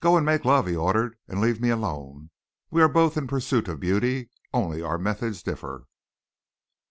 "Go and make love," he ordered, "and leave me alone. We are both in pursuit of beauty only our methods differ."